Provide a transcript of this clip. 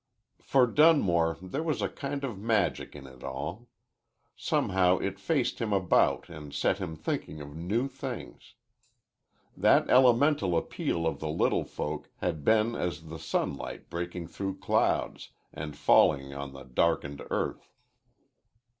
For Dunmore there was a kind of magic in it all. Somehow it faced him about and set him thinking of new things. That elemental appeal of the little folk had been as the sunlight breaking through clouds and falling on the darkened earth.